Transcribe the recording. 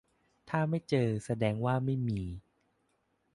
ถ้าไม่เจอแสดงว่าไม่มี